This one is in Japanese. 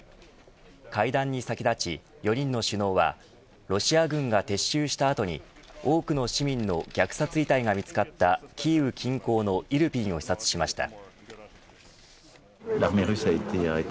会談に先立ち、４人の首脳はロシア軍が撤収した後に多くの市民の虐殺遺体が見つかったキーウ近郊のイルピンを視察しました。